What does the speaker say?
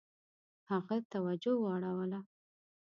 هغه توجه واړوله.